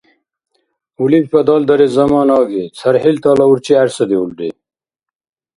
Улибхьа далдарес замана аги: цархӀилтала урчи гӀерсадиулри.